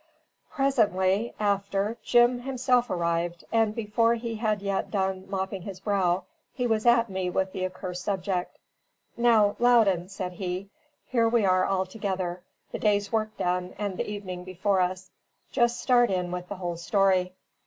Presently after, Jim himself arrived, and before he had yet done mopping his brow, he was at me with the accursed subject. "Now, Loudon," said he, "here we are all together, the day's work done and the evening before us; just start in with the whole story."